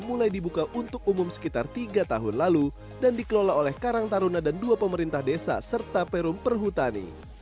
mulai dibuka untuk umum sekitar tiga tahun lalu dan dikelola oleh karang taruna dan dua pemerintah desa serta perum perhutani